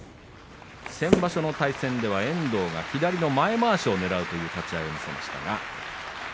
先場所の対戦では遠藤左の前まわしをねらう立ち合いを見せました。